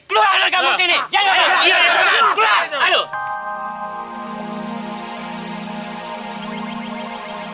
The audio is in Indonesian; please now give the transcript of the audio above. keluar dari kampung ini